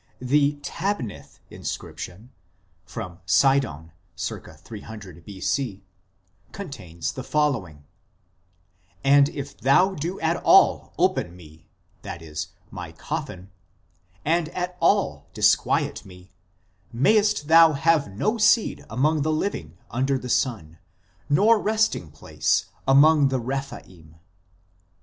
2 The Tabnith inscription (Sidon, circa 300 B.C.) contains the following :" And if thou do at all open me (i.e. my coffin), and at all disquiet me, mayest thou have no seed among the living under the sun, nor resting place among the Rephaim."